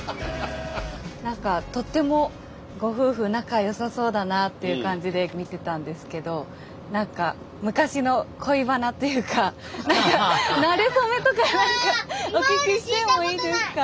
何かとってもご夫婦仲よさそうだなっていう感じで見てたんですけど何か昔の恋バナっていうかなれ初めとかお聞きしてもいいですか？